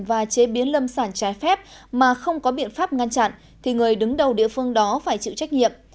và chế biến lâm sản trái phép mà không có biện pháp ngăn chặn thì người đứng đầu địa phương đó phải chịu trách nhiệm